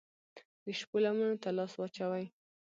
د شپو لمنو ته لاس واچوي